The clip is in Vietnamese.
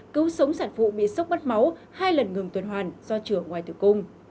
cứu sống sản phụ bị sốc bắt máu hai lần ngừng tuần hoàn do chữa ngoài tử cung